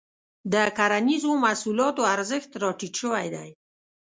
د کرنیزو محصولاتو ارزښت راټيټ شوی دی.